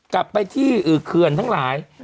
กลับไปที่เขื่อนทั้งหลาย